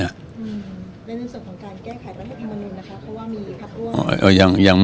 ในร่วมส่วนของการแก้แขนรัฐมนุนนะครับ